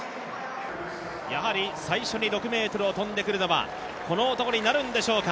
やはり最初に６ｍを跳んでくるのはこの男になるんでしょうか